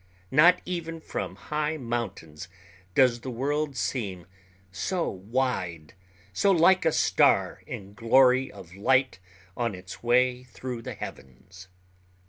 Not even from high mountains does the world seem so wide, so like a star in glory of light on its way through the heavens.